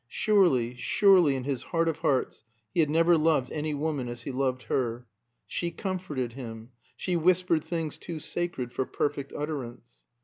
Surely, surely in his heart of hearts he had never loved any woman as he loved her. She comforted him; she whispered things too sacred for perfect utterance.